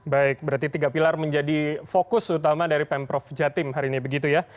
baik berarti tiga pilar menjadi fokus utama dari pemprov jatim hari ini begitu ya